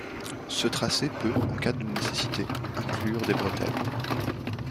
Ce tracé, peut en cas de nécessité, inclure des bretelles.